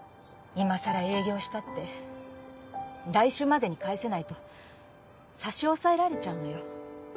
いまさら営業したって来週までに返せないと差し押さえられちゃうのよ